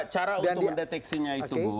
cara untuk mendeteksinya itu